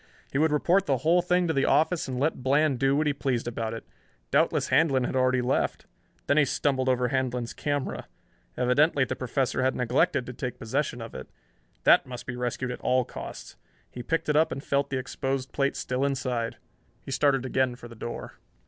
He would report the whole thing to the office and let Bland do what he pleased about it. Doubtless Handlon had already left. Then he stumbled over Handlon's camera. Evidently the Professor had neglected to take possession of it. That must be rescued, at all costs. He picked it up and felt the exposed plate still inside. He started again for the door.